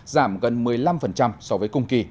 giảm gần một mươi năm so với cùng kỳ